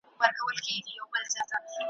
خو په زړه کي پټ له ځان سره ژړېږم `